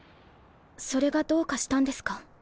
それがどうかしたんですか？